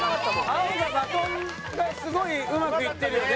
青がバトンがすごいうまくいってるよね。